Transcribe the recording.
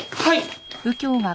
はい！